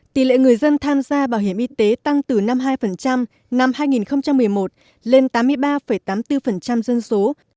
tỷ lệ người dân tham gia bảo hiểm y tế tăng từ năm mươi hai năm hai nghìn một mươi một lên tám mươi ba tám mươi bốn dân số